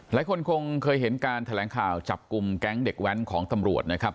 หลายคนคงเคยเห็นการแถลงข่าวจับกลุ่มแก๊งเด็กแว้นของตำรวจนะครับ